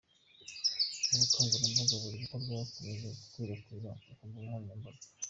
Ubu bukangurambaga buri gukorwa bukomeje gukwirakwira ku mbuga nkoranyambaga.